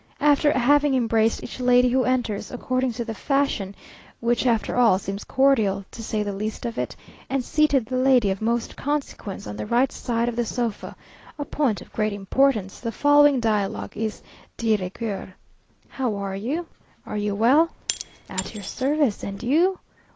After having embraced each lady who enters, according to the fashion, which after all seems cordial, to say the least of it, and seated the lady of most consequence on the right side of the sofa, a point of great importance, the following dialogue is de rigueur. "How are you? Are you well?" "At your service, and you?"